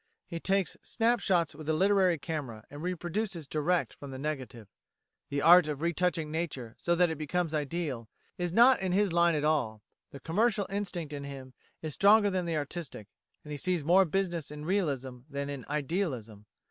He takes snap shots with a literary camera and reproduces direct from the negative. The art of re touching nature so that it becomes ideal, is not in his line at all: the commercial instinct in him is stronger than the artistic, and he sees more business in realism than in idealism.